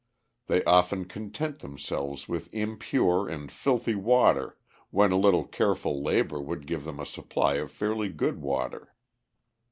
They often content themselves with impure and filthy water when a little careful labor would give them a supply of fairly good water.